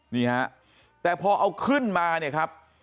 นี่ฮะแต่พอเอาขึ้นมาเนี่ยครับ